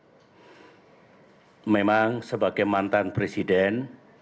dan memang sebagai mantan presiden